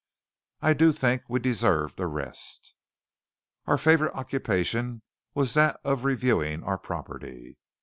I do think we deserved a rest. Our favourite occupation was that of reviewing our property.